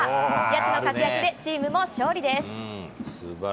谷内の活躍でチームも勝利です。